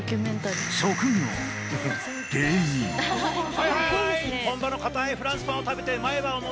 はいはい。